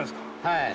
はい。